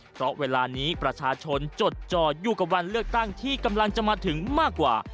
เพราะเวลานี้ประชาชนจดจอดอยู่กับวันเลือกตั้งที่กำลังจะมาถึงมากกว่า